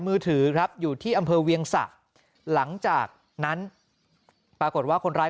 มือถือครับอยู่ที่อำเภอเวียงสะหลังจากนั้นปรากฏว่าคนร้าย